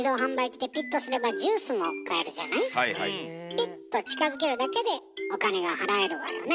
ピッと近づけるだけでお金が払えるわよね。